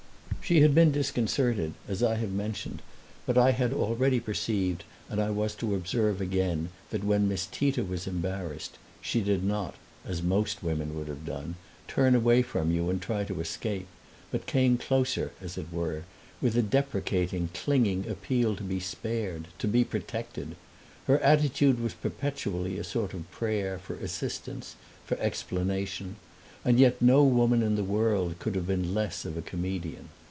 She had been disconcerted, as I have mentioned, but I had already perceived and I was to observe again that when Miss Tita was embarrassed she did not (as most women would have done) turn away from you and try to escape, but came closer, as it were, with a deprecating, clinging appeal to be spared, to be protected. Her attitude was perpetually a sort of prayer for assistance, for explanation; and yet no woman in the world could have been less of a comedian.